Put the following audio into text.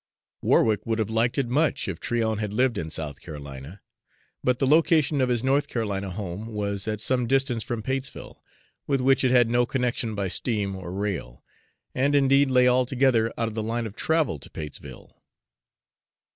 Warwick would have liked it much if Tryon had lived in South Carolina; but the location of his North Carolina home was at some distance from Patesville, with which it had no connection by steam or rail, and indeed lay altogether out of the line of travel to Patesville.